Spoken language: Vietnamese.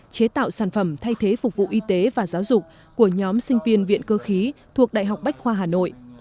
chế tạo sản phẩm thay thế phục vụ y tế và giáo dục của nhóm sinh viên viện cơ khí thuộc đại học bách khoa hà nội